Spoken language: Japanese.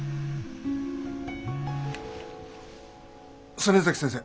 曽根崎先生